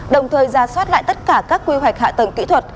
đồng thời ra soát lại tất cả các quy hoạch hạ tầng kỹ thuật